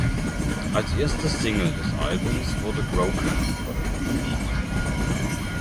Als erste Single des Albums wurde "Broken" veröffentlicht.